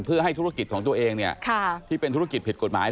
เพื่อให้ธุรกิจของตัวเองที่เป็นธุรกิจผิดกฎหมาย